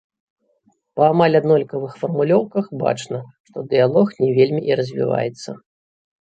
Па амаль аднолькавых фармулёўках бачна, што дыялог не вельмі і развіваецца.